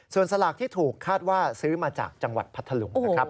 ส่วนสลากที่ถูกคาดว่าซื้อมาจากจังหวัดพัทธลุงนะครับ